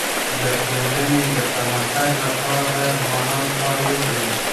د ټولني د پرمختګ لپاره باید ځوانان کار وکړي.